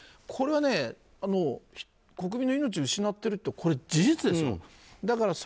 これは、国民の命を失ってるという事実ですよ。